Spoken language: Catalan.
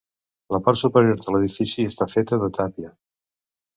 La part superior de l'edifici està feta de tàpia.